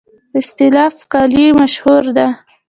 استالف کلالي مشهوره ده؟